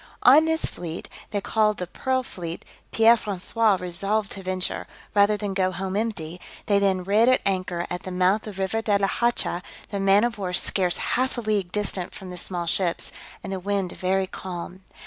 On this fleet, called the pearl fleet, Pierre François resolved to venture, rather than go home empty; they then rid at anchor at the mouth of the River de la Hacha, the man of war scarce half a league distant from the small ships, and the wind very calm.